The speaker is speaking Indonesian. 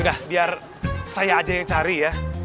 udah biar saya aja yang cari ya